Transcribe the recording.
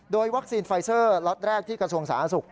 โดยวัคซีนไฟเซอร์ล็อตแรกที่กระทรวงสาธารณสุข